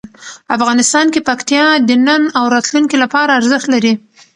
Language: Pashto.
افغانستان کې پکتیا د نن او راتلونکي لپاره ارزښت لري.